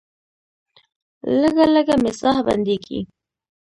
لږه لږه مې ساه بندیږي.